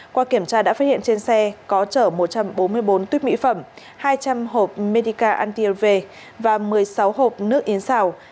qua kiểm tra đã phát hiện trên xe có chở một trăm bốn mươi bốn tuyết mỹ phẩm hai trăm linh hộp medica anti lv và một mươi sáu hộp nước yến xào